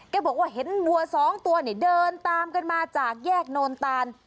บอกว่าเห็นวัวสองตัวเนี่ยเดินตามกันมาจากแยกโนนตาน